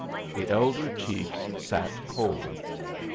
The elder chiefs sat cold.